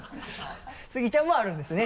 スギちゃんもあるんですね。